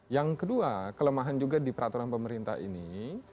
yang kedua kelemahan juga di peraturan pemerintah ini